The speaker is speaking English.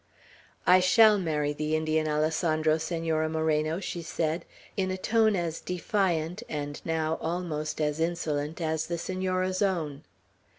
"I shall marry the Indian Alessandro, Senora Moreno," she said, in a tone as defiant, and now almost as insolent, as the Senora's own.